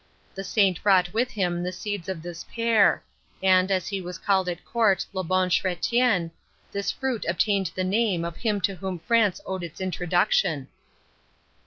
The saint brought with him the seeds of this pear; and, as he was called at court Le Bon Chrétien, this fruit obtained the name of him to whom France owed its introduction.